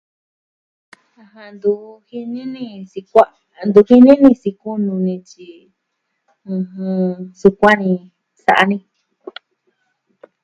Ntu jini ni sikua'a ntu jini ni sikunu nityi. Sukuani sa'a ni.